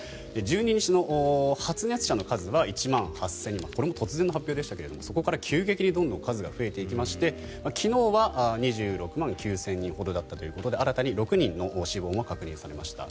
１２日の発熱者の数は１万８０００人これも突然の発表でしたがそこから急激に数がどんどん増えていきまして昨日は２６万９０００人ほどだったということで新たに６人の死亡が確認されました。